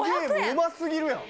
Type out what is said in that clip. うますぎるやん。